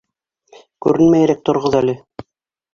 Күренмәйерәк тороғоҙ әле.